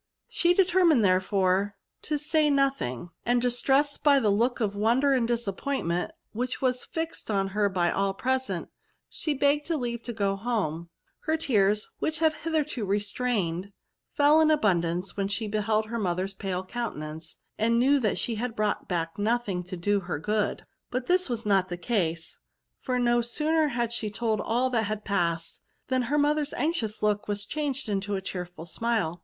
She determined, therefore, to say nothing; and, distressed by the look of won der and disappointment which was fixed on her by all present, she begged leave to go home. Her tears, which she had hitherto re strained, fell in abundance when she beheld her mother's pale countenance, and knew that she brought back nothing to do her good. But this was not the case ; for no ^sooner had she told all that had passed, than her mother's anxious look was changed into a cheerful smile.